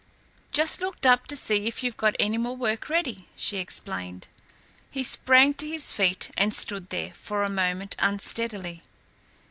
"Just looked up to see if you've got any more work ready," she explained. He sprang to his feet and stood there, for a moment, unsteadily.